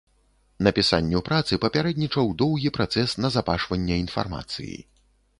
Напісанню працы папярэднічаў доўгі працэс назапашвання інфармацыі.